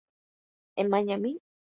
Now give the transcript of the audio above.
Emañami